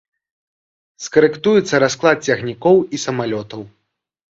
Скарэктуецца расклад цягнікоў і самалётаў.